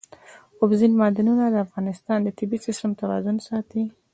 اوبزین معدنونه د افغانستان د طبعي سیسټم توازن ساتي.